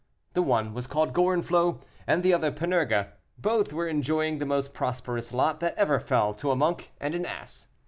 The one was called Gorenflot, and the other Panurge. Both were enjoying the most prosperous lot that ever fell to a monk and an ass.